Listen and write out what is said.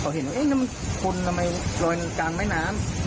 เค้าเห็นว่าไหนนั่นคนลอยในกลางแม่น้ำ